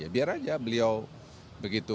biar aja beliau begitu